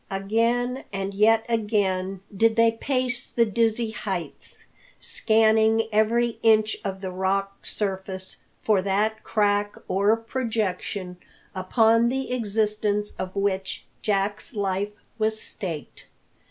Again and yet again did they pace the dizzy heights, scanning every inch of the rocky surface for that crack or projection upon the existence of which Jack's life was staked.